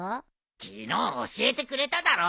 昨日教えてくれただろう？